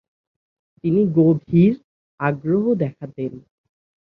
তিনি গভীর আগ্রহ দেখাতেন।